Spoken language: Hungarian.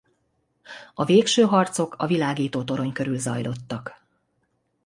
A végső harcok a világítótorony körül zajlottak.